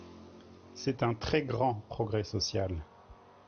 C’est un très grand progrès social.